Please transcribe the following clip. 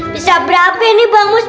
bisa berapa ini bang mus